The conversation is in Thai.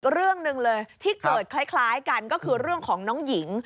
เรื่องหนึ่งเลยที่เกิดคล้ายกันก็คือเรื่องของน้องหญิง